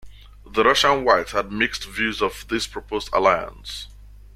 The Russian Whites had mixed views of this proposed alliance.